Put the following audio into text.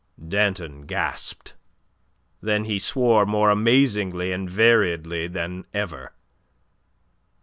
Danton gasped. Then he swore more amazingly and variedly than ever.